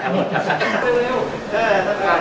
สวัสดีครับ